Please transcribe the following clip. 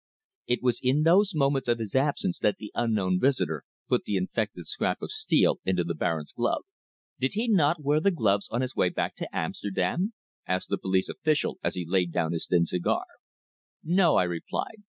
It was in those moments of his absence that the unknown visitor put the infected scrap of steel into the Baron's glove." "Did he not wear the gloves on his way back to Amsterdam?" asked the police official, as he laid down his thin cigar. "No," I replied.